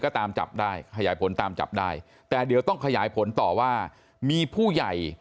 ก็ตามจับได้ขยายผลตามจับได้แต่เดี๋ยวต้องขยายผลต่อว่ามีผู้ใหญ่